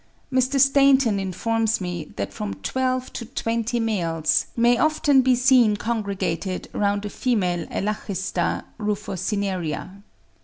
Mr. Stainton informs me that from twelve to twenty males, may often be seen congregated round a female Elachista rufocinerea.